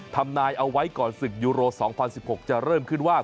ทำนายเอาไว้ก่อนศึกยูโร๒๐๑๖จะเริ่มขึ้นว่า